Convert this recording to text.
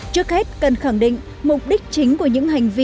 trước hết cần khẳng định mục đích chính của những hành vi